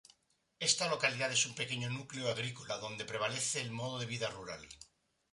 Esta localidad es un pequeño núcleo agrícola, donde prevalece el modo de vida rural.